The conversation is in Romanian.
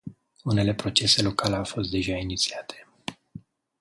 Unele procese locale au fost deja inițiate.